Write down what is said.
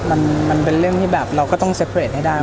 มันมันเป็นเรื่องที่แบบเราก็ต้องต่อสายให้ได้